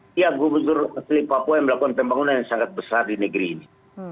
tiap gubernur asli papua yang melakukan pembangunan yang sangat besar di negeri ini